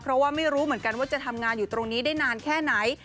เพราะว่าไม่รู้เหมือนกันว่าจะทำงานอยู่ตรงนี้ได้นานแค่ไหน